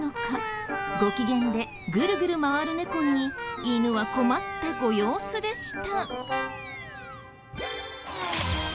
ご機嫌でグルグル回る猫に犬は困ったご様子でした。